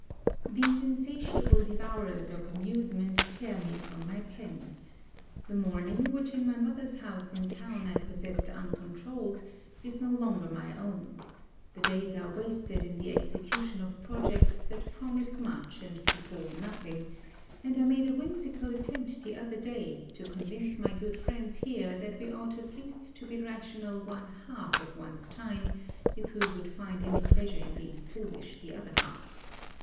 These insatiable devourers of amusement tear me from my pen. The morning, which in my mother's house in town I possessed uncontrouled, is no longer my own. The days are wasted in the execution of projects that promise much and perform nothing; and I made a whimsical attempt the other day, to convince my good friends here that we ought at least to be rational one half of one's time, if we would find any pleasure in being foolish the other half.